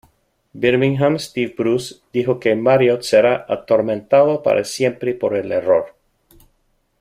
Birmingham, Steve Bruce, dijo que Marriott será" atormentado para siempre "por el error.